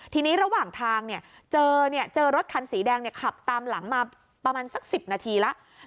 ทีนี้ระหว่างทางเจอรถคันสีแดงขับตามหลังมาประมาณสัก๑๐นาทีแล้ว